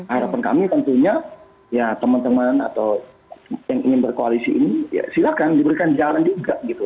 harapan kami tentunya ya teman teman atau yang ingin berkoalisi ini ya silahkan diberikan jalan juga gitu